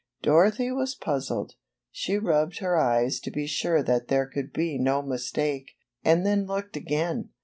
Dorothy was puzzled. She rubbed her eyes to be sure that there could be no mistake, and then looked again.